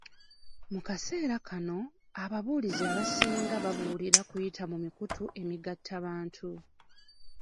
Mu kaseera kano, ababuulizi abasinga babuulirira kuyita ku mikutu emigatta bantu.